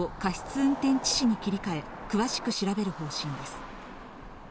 運転致死に切り替え、詳しく調べる方針です。